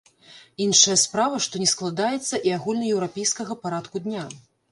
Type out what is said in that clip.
Іншая справа, што не складаецца і агульнаеўрапейскага парадку дня.